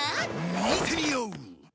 見てみよう。